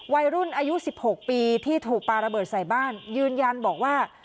วัยรุ่นอายุสิบหกปีที่ถูกปาระเบิดใส่บ้านยืนยันบอกว่า